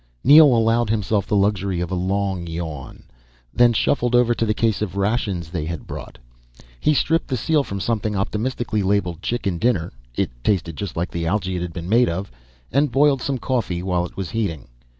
Neel allowed himself the luxury of a long yawn, then shuffled over to the case of rations they had brought. He stripped the seal from something optimistically labeled CHICKEN DINNER it tasted just like the algae it had been made from and boiled some coffee while it was heating.